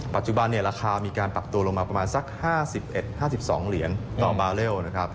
ปัจจุบันราคามีการปรับตัวลงมาประมาณสักฮาสิบเอ็ดห้าสิบสองเหรียญต่าร์บาเรล